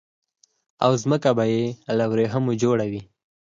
او ځمکه به يي له وريښمو جوړه وي